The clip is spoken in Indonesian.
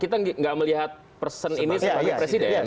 kita nggak melihat person ini sebagai presiden